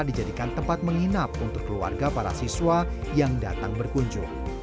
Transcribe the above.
dijadikan tempat menginap untuk keluarga para siswa yang datang berkunjung